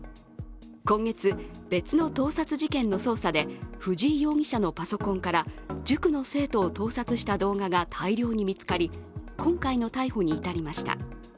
今月、別の盗撮事件の捜査で藤井容疑者のパソコンから塾の生徒を盗撮した動画が大量に見つかり、今回の逮捕に至りました。